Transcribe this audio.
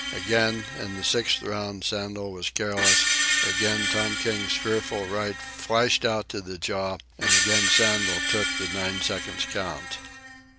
Again, in the sixth round, Sandel was careless, again Tom King's fearful right flashed out to the jaw, and again Sandel took the nine seconds count.